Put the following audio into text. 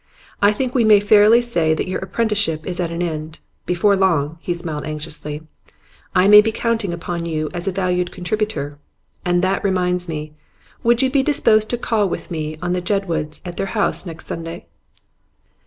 I think we may fairly say that your apprenticeship is at an end. Before long,' he smiled anxiously, 'I may be counting upon you as a valued contributor. And that reminds me; would you be disposed to call with me on the Jedwoods at their house next Sunday?